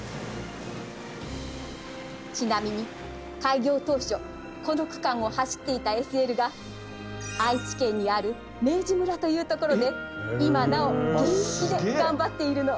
ちなみに開業当初この区間を走っていたＳＬが愛知県にある明治村という所で今なお現役で頑張っているの。